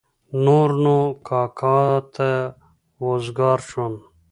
نور نو کاکا ته وزګار شوم.